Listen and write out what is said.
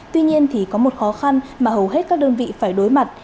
tuy nhiên thì có một khó khăn mà hầu hết các đơn vị phải đối mặt